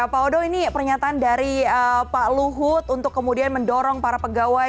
pak odo ini pernyataan dari pak luhut untuk kemudian mendorong para pegawai